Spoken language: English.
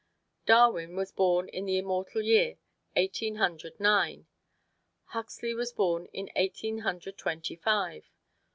Darwin was born in the immortal year Eighteen Hundred Nine. Huxley was born in Eighteen Hundred Twenty five.